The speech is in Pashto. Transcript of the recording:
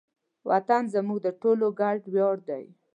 وطن زموږ د ټولو ګډ ویاړ دی.